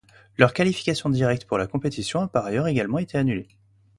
Leur qualification directe pour la compétition a par ailleurs également été annulée.